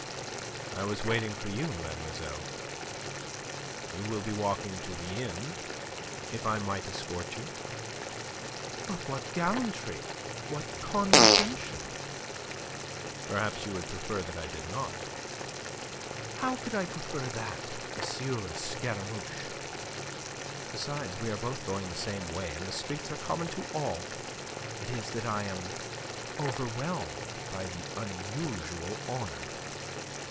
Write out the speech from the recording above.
"I was waiting for you, mademoiselle. You will be walking to the inn. If I might escort you..." "But what gallantry! What condescension!" "Perhaps you would prefer that I did not?" "How could I prefer that, M. Scaramouche? Besides, we are both going the same way, and the streets are common to all. It is that I am overwhelmed by the unusual honour."